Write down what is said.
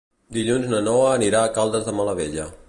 Dilluns na Noa anirà a Caldes de Malavella.